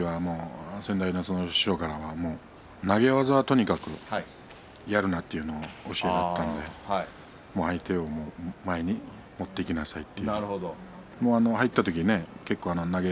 入った時は先代の師匠から投げ技はとにかくやるなという教えだったので相手を前に持っていきなさいと。